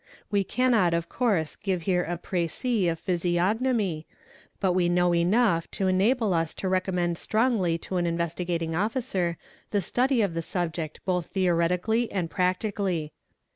We cannot of course give b ere a precis of physiognomy, but we know enough to enable us to re commend strongly to an Investigating Officer the study of the subject both I scticaliy and practically.